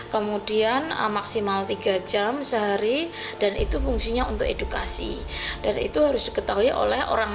kemudian maksimal tiga jam sehari dan itu fungsinya untuk edukasi dan itu harus diketahui oleh orang